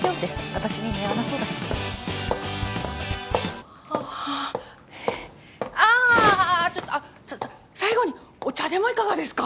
私に似合わなそうだしああええああちょっと最後にお茶でもいかがですか？